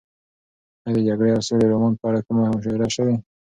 ایا د جګړې او سولې رومان په اړه کومه مشاعره شوې؟